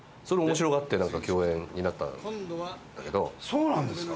そうなんですか！